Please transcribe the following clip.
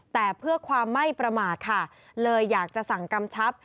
แต่เพื่อความไม่ประมาทค่ะเลยอยากจะสั่งกำชับ